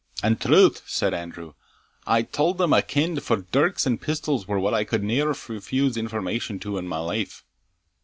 "And troth," said Andrew, "I tauld them a' I ken'd; for dirks and pistols were what I could never refuse information to in a' my life."